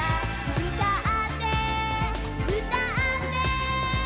「うたってうたって」